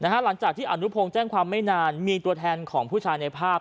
หลังจากที่อนุพงศ์แจ้งความไม่นานมีตัวแทนของผู้ชายในภาพ